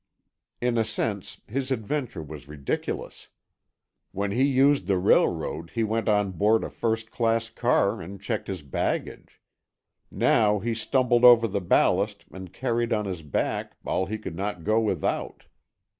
In a sense, his adventure was ridiculous. When he used the railroad he went on board a first class car and checked his baggage. Now he stumbled over the ballast and carried on his back all he could not go without.